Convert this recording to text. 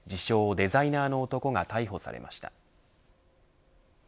デザイナーの男が逮捕されました。